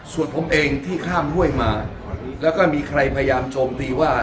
ส่วนผมเองที่ข้ามห้วยมาแล้วก็มีใครพยายามโจมตีว่า